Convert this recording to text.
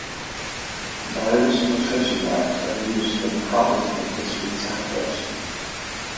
Various filtration racks are used for the processing of discrete samples.